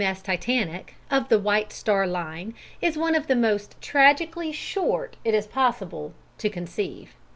S. Titanic, of the White Star Line, is one of the most tragically short it is possible to conceive.